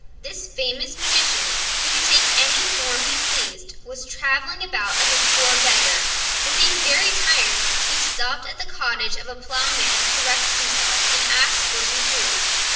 This famous magician, who could take any form he pleased, was travelling about as a poor beggar, and being very tired he stopped at the cottage of a Ploughman to rest himself, and asked for some food.